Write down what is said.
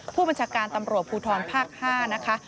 ผู้บัญชาการตำรวจภูทรภาค๕นะคะ